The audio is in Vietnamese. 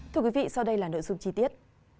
thưa quý vị sau đây là nội dung chi tiết